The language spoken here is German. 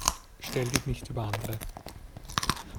Stell dich nicht über andere.